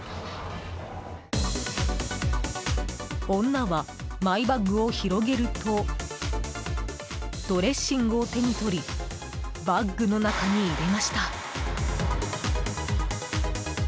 女はマイバッグを広げるとドレッシングを手に取りバッグの中に入れました。